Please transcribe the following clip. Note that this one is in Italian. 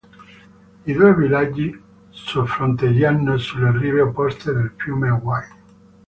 I due villaggi su fronteggiano sulle rive opposte del fiume Wye.